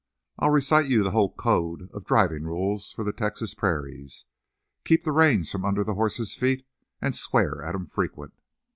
I'll recite you the whole code of driving rules for the Texas prairies: keep the reins from under the horses' feet, and swear at 'em frequent."